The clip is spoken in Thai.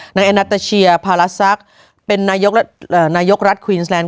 แอนัตตาเชียพารัสซักเป็นนายกรัฐควีนสแลนด